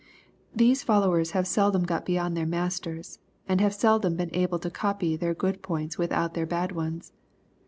These followers have seldom got beyond their masters, and have seldom been able to copy their good points without their bad ones.